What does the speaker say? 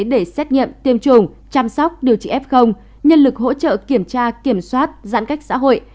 để xét nghiệm tiêm chủng chăm sóc điều trị f nhân lực hỗ trợ kiểm tra kiểm soát giãn cách xã hội